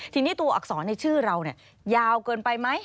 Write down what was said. ทีนี้ตัวอักษรในชื่อเรายาวเกินไปไหม